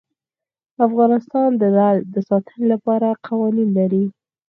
افغانستان د لعل د ساتنې لپاره قوانین لري.